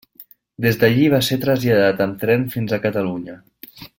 Des d'allí va ser traslladat amb tren fins a Catalunya.